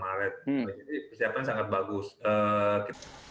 jadi persiapan sangat bagus